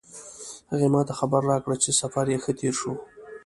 هغې ما ته خبر راکړ چې سفر یې ښه تیر شو